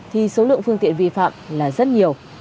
thì số lượng phương tiện vi phạm là rất nhiều